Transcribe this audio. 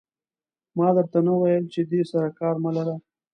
ما در ته نه ویل چې دې سره کار مه لره.